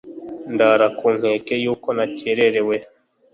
ndara ku nkeke y'uko nacyererewe